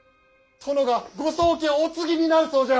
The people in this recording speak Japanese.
殿がご宗家をお継ぎになるそうじゃ！